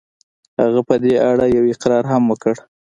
هغه په دې اړه يو اقرار هم وکړ.